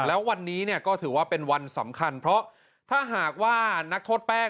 แล้ววันนี้เนี่ยก็ถือว่าเป็นวันสำคัญเพราะถ้าหากว่านักโทษแป้ง